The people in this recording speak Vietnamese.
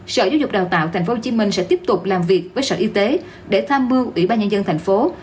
sở giáo dục đào tạo tp hcm sẽ tiếp tục làm việc với sở y tế để tham mưu ủy ban nhân dân thành phố